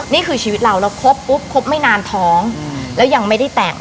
นี่คือชีวิตเราเราคบปุ๊บครบไม่นานท้องแล้วยังไม่ได้แต่ง